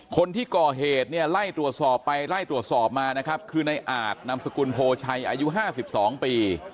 คนที่ก่อเหตุเนี่ยไล่ตรวจสอบไปไล่ตรวจสอบมานะครับคือในอาจนำสกุลโพชัยอายุ๕๒ปี